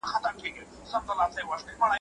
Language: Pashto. ایا د سهار له خوا د لمر لومړۍ وړانګې ګټورې دي؟